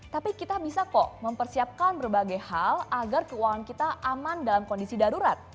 tapi kita bisa kok mempersiapkan berbagai hal agar keuangan kita aman dalam kondisi darurat